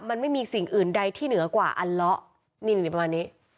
มันไม่มีสิ่งอื่นใดที่เหนือกว่าอัลเลาะนี่ประมาณนี้